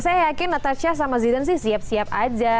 saya yakin natasha sama zidan sih siap siap aja